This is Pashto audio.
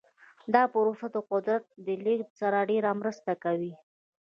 دا پروسه د قدرت د لیږد سره ډیره مرسته کوي.